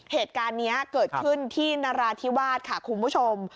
เหตุการณ์นี้เกิดขึ้นที่นราธิวาสค่ะคุณผู้ชม